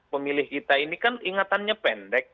pemilih kita ini kan ingatannya pendek